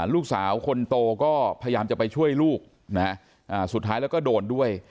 ลูกสาวคนโตก็พยายามจะไปช่วยลูกสุดท้ายแล้วก็โดนด้วย